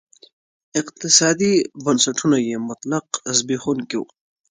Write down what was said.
اقتصادي بنسټونه یې مطلق زبېښونکي وو.